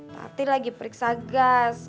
tati lagi periksa gas